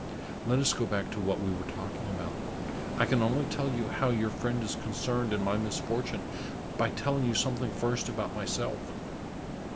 Let us go back to what we were talking about. I can only tell you how your friend is concerned in my misfortune by telling you something first about myself.